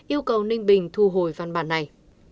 yêu cầu ninh bình thu hồi văn bản này